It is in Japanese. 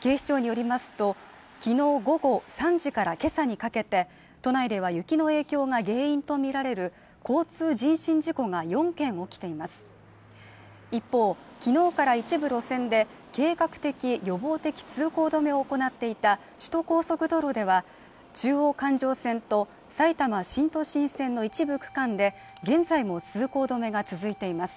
警視庁によりますと昨日午後３時からけさにかけて都内では雪の影響が原因と見られる交通人身事故が４件起きています一方きのうから一部路線で計画的予防的通行止めを行っていた首都高速道路では中央環状線と埼玉新都心線の一部区間で現在も通行止めが続いています